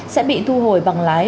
sẽ bị thu hồi bằng lái